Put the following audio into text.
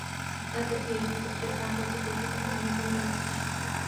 তাতে কী, এটি তো স্রেফ কাগুজে পরিসংখ্যান হয়ে গেল ম্যাচ শেষে।